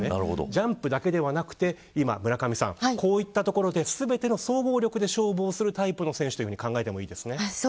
ジャンプだけではなくてこういったところで、全ての総合力で勝負をするタイプの選手と考えてもいいですね。